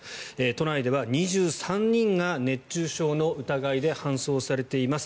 都内では２３人が熱中症の疑いで搬送されています。